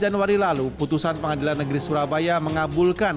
pada tiga belas januari lalu putusan pengadilan negeri surabaya mengabulkan